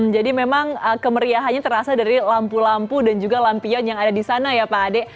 memang kemeriahannya terasa dari lampu lampu dan juga lampion yang ada di sana ya pak ade